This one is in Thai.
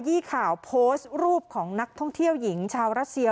ี้ข่าวโพสต์รูปของนักท่องเที่ยวหญิงชาวรัสเซีย